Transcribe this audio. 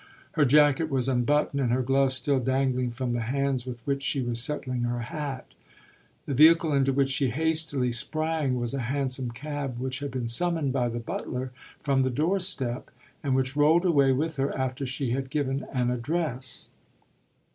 Her jacket was unbuttoned and her gloves still dangling from the hands with which she was settling her hat. The vehicle into which she hastily sprang was a hansom cab which had been summoned by the butler from the doorstep and which rolled away with her after she had given an address.